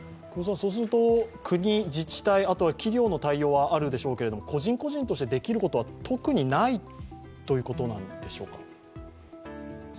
国、自治体、あとは企業の対応はあるでしょうけれども個人個人としてできることは、特にないということでしょうか？